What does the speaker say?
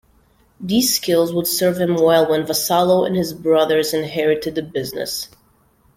These skills would serve him well when Vassallo and his brothers inherited the business.